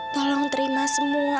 tolong terima semua